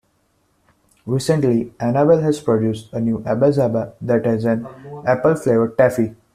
Recently Annabelle has produced a new Abba-Zaba that has an apple flavored taffy.